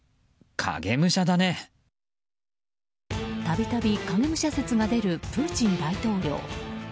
たびたび、影武者説が出るプーチン大統領。